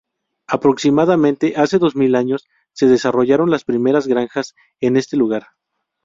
Aproximadamente hace dos mil años, se desarrollaron las primeras granjas en este lugar.